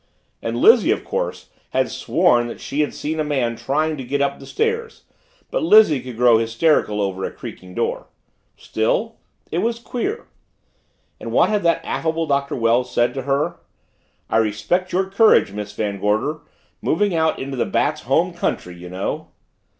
And Lizzie, of course, had sworn that she had seen a man trying to get up the stairs but Lizzie could grow hysterical over a creaking door. Still it was queer! And what had that affable Doctor Wells said to her "I respect your courage, Miss Van Gorder moving out into the Bat's home country, you know!"